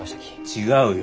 違うよ。